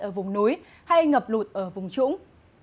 ở vùng núi hay ngập lụt ở vùng trũng